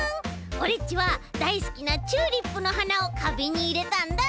オレっちはだいすきなチューリップのはなをかびんにいれたんだ！